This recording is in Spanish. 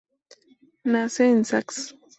Nace en Sax.